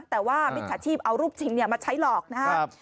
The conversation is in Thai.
แต่ว่ามิจฉาชีพเอารูปชิงมาใช้หลอกนะครับ